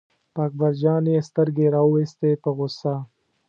په اکبر جان یې سترګې را وویستې په غوسه.